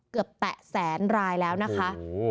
เกือบแตะแสนรายแล้วนะคะ